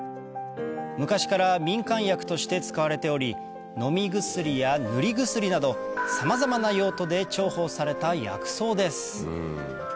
昔から民間薬として使われており飲み薬や塗り薬などさまざまな用途で重宝された薬草です